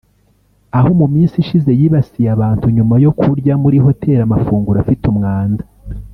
aho mu minsi ishize yibasiye abantu nyuma yo kurya muri Hoteli amafunguro afite umwanda